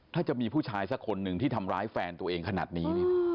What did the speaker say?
ถ้าจะมีผู้ชายสักคนหนึ่งที่ทำร้ายแฟนตัวเองขนาดนี้